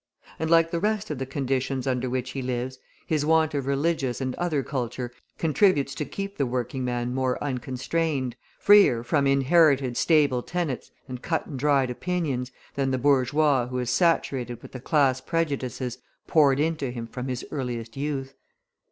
And like the rest of the conditions under which he lives, his want of religious and other culture contributes to keep the working man more unconstrained, freer from inherited stable tenets and cut and dried opinions, than the bourgeois who is saturated with the class prejudices poured into him from his earliest youth.